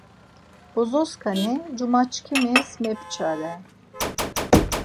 Bozoskani cumaçkimis mepçare.